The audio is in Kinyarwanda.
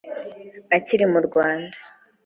Akiri mu Rwanda